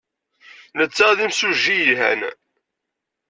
Netta d imsujji yelhan.